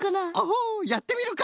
ホホやってみるか！